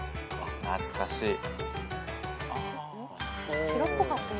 懐かしい。